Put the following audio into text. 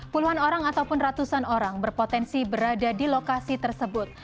puluhan orang ataupun ratusan orang berpotensi berada di lokasi tersebut